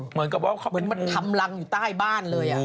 เหมือนกับว่าเขาเหมือนมันทำรังอยู่ใต้บ้านเลย